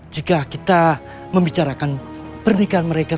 jika kita membicarakan pernikahan mereka